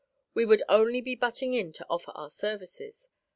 We would only be butting in to offer our services.